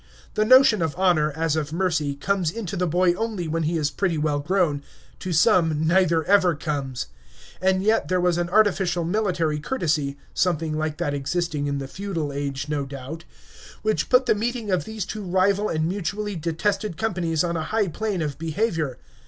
The notion of honor, as of mercy, comes into the boy only when he is pretty well grown; to some neither ever comes. And yet there was an artificial military courtesy (something like that existing in the feudal age, no doubt) which put the meeting of these two rival and mutually detested companies on a high plane of behavior.